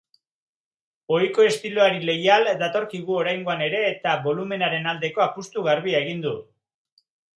Ohiko estiloari leial datorkigu oraingoan ere eta bolumenaren aldeko apustu garbia egin du.